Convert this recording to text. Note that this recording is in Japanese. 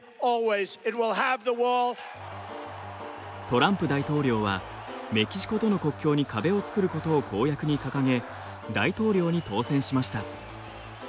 トランプ大統領はメキシコとの国境に壁を作ることを公約に掲げ大統領に当選しました。